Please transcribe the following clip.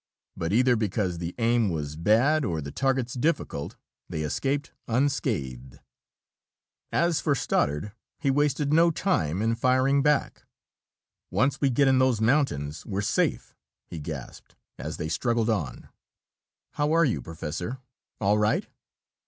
But either because the aim was bad or the targets difficult, they escaped unscathed. As for Stoddard, he wasted no time in firing back. "Once we get in those mountains, we're safe!" he gasped, as they struggled on. "How are you, Professor all right?"